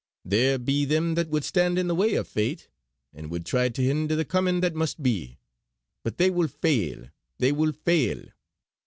There be them that would stand in the way o' Fate, and would try to hinder the comin' that must be. But they will fail; they will fail!